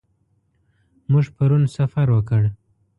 موږ پرون سفر وکړ.